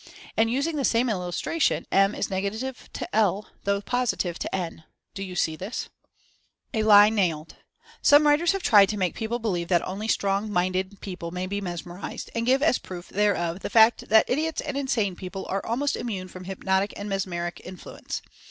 And, using the same illustration, M is nega tive to L, though positive to N. Do you see this ? A LIE NAILED. Some writers have tried to make people believe that only "strong minded" people may be mesmerized, and give as a proof thereof the fact that idiots and insane people are almost immune from hypnotic and mesmeric influence.